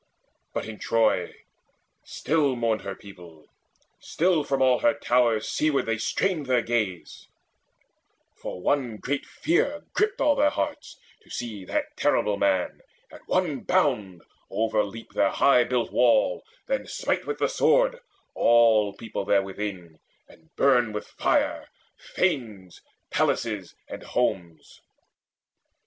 But in Troy Still mourned her people, still from all her towers Seaward they strained their gaze; for one great fear Gripped all their hearts to see that terrible man At one bound overleap their high built wall, Then smite with the sword all people therewithin, And burn with fire fanes, palaces, and homes.